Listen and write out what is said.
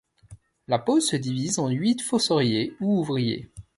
La pose se divise en huit fossoriers ou ouvriers.